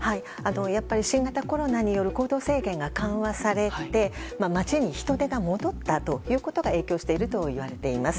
やっぱり、新型コロナによる行動制限が緩和されて街に人出が戻ったということが影響しているといわれています。